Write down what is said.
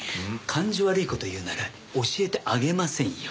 感じ悪い事言うなら教えてあげませんよ。